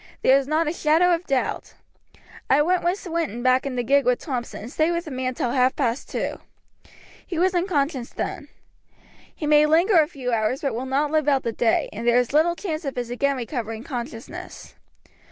There is not a shadow of doubt. I sent Swinton back in the gig with Thompson and stayed with the man till half past two. He was unconscious then. He may linger a few hours, but will not live out the day, and there is little chance of his again recovering consciousness.